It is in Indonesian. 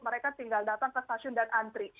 mereka tinggal datang ke stasiun dan antri